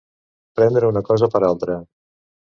Prendre una cosa per altra.